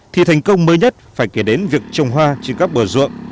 thì thành công mới nhất phải kể đến việc trồng hoa trên các bờ ruộng